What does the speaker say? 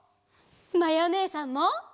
まやおねえさんも。